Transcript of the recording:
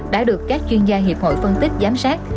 đã được các chuyên gia hiệp hội phân tích giám sát